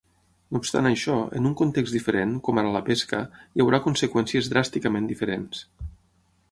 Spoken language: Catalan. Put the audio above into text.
No obstant això, en un context diferent, com ara la pesca, hi haurà conseqüències dràsticament diferents.